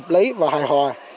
lấy và hài hòa